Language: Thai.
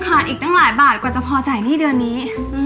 อีกตั้งหลายบาทกว่าจะพอจ่ายหนี้เดือนนี้